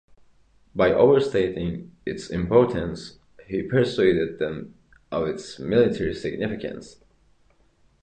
By overstating its importance, he persuaded them of its military significance.